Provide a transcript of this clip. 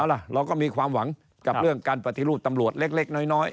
เราก็มีความหวังกับเรื่องการปฏิรูปตำรวจเล็กน้อย